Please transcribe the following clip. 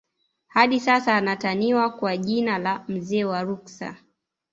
Hadi sasa anataniwa kwa jina la mzee wa Ruksa